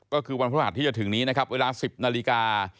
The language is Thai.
ก็คือวันพระหัสที่จะถึงนี้นะครับเวลา๑๐นาฬิกา